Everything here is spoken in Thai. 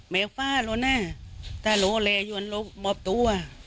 ไม่ฟ้าลูน่ะถ้าโรเลยนลูนมอบตัว